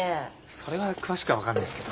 それは詳しくは分かんないすけど。